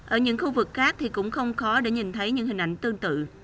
ở những khu vực khác thì cũng không khó để nhìn thấy những hình ảnh tương tự